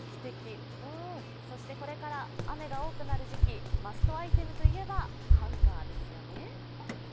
そして、これから雨が多くなる時期マストアイテムといえばハンガーですよね。